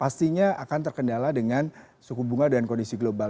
pastinya akan terkendala dengan suku bunga dan kondisi global